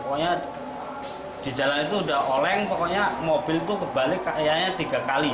pokoknya di jalan itu udah oleng pokoknya mobil itu kebalik kayaknya tiga kali